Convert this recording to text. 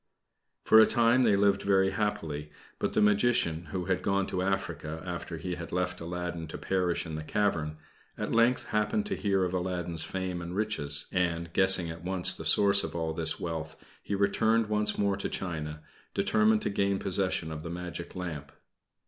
For a time they lived very happily, but the Magician, who had gone to Africa after he had left Aladdin to perish in the cavern, at length happened to hear of Aladdin's fame and riches; and guessing at once the source of all this wealth, he returned once more to China, determined to gain possession of the magic lamp.